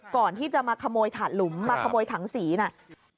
ก่อนที่จะมาขโมยถาดหลุมมาขโมยถังสีน่ะ